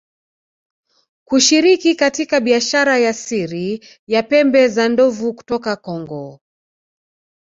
kushiriki katika biashara ya siri ya pembe za ndovu kutoka Kongo